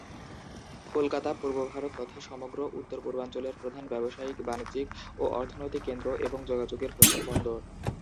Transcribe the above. কলকাতা পূর্ব ভারত তথা সমগ্র উত্তর-পূর্বাঞ্চলের প্রধান ব্যবসায়িক, বাণিজ্যিক ও অর্থনৈতিক কেন্দ্র এবং যোগাযোগের প্রধান বন্দর।